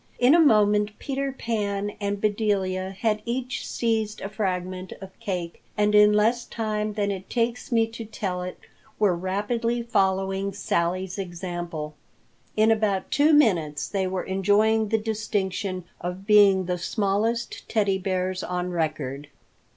In a moment Peter Pan and Bedelia had each seized a fragment of cake and in less time than it takes me to tell it were rapidly following Sally's example. In about two minutes they were enjoying the distinction of being the smallest Teddy Bears on record.